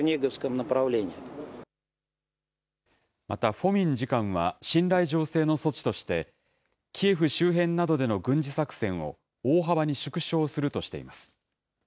また、フォミン次官は信頼醸成の措置として、キエフ周辺などでの軍事作戦を大幅に縮小するとしています。